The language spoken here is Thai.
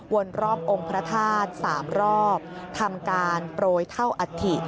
รอบองค์พระธาตุ๓รอบทำการโปรยเท่าอัฐิ